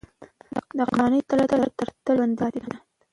دا قهرماني تله ترتله ژوندي پاتې ده.